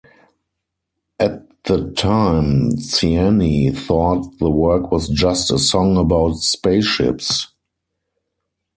At the time, Ciani thought the work was just a "song about spaceships".